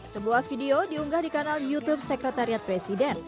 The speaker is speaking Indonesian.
sebuah video diunggah di kanal youtube sekretariat presiden